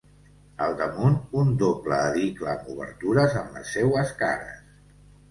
Al damunt, un doble edicle amb obertures en les seues cares.